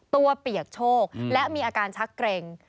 เปียกโชคและมีอาการชักเกร็ง